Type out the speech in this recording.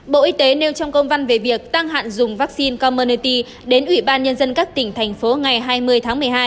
bộ y tế nêu trong công văn về việc tăng hạn dùng vaccine commernity đến ủy ban nhân dân các tỉnh thành phố ngày hai mươi tháng một mươi hai